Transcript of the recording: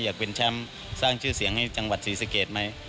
อยากเป็นแชมป์สร้างชื่อเสียงให้จังหวัดศรีสะเกดไหม